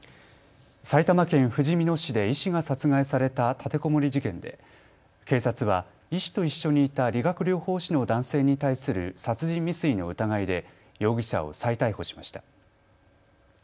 埼玉県ふじみ野市で医師が殺害された立てこもり事件で警察は、医師と一緒にいた理学療法士の男性に対する殺人未遂の疑いで、容疑者を再逮捕しました。